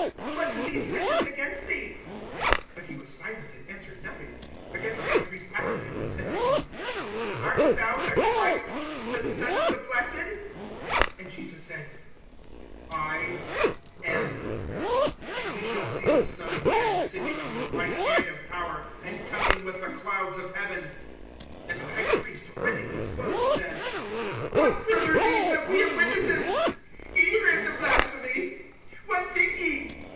What do these witness against thee? (61)But he was silent, and answered nothing. Again the high priest asked him, and said to him: Art thou the Christ, the Son of the Blessed? (62)And Jesus said: I am; and ye shall see the Son of man sitting on the right hand of power, and coming with the clouds of heaven. (63)And the high priest, rending his clothes, says: What further need have we of witnesses? (64)Ye heard the blasphemy. What think ye?